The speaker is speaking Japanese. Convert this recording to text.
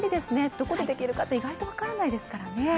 どこでできるか、意外に分からないですからね。